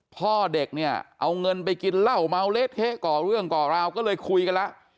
พ่อเด็กเนี่ยเอาเงินไปกินเหล้าเมาเละเทะก่อเรื่องก่อราวก็เลยคุยกันแล้ว